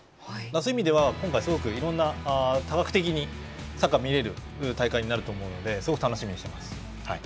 そういう意味では今回、多角的にサッカーが見られる大会になると思うのですごく楽しみにしてます。